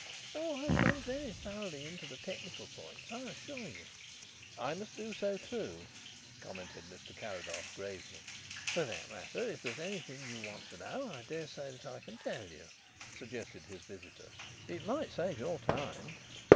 Oh, I have gone very thoroughly into the technical points, I assure you." "I must do so too," commented Mr. Carrados gravely. "For that matter, if there is anything you want to know, I dare say that I can tell you," suggested his visitor. "It might save your time."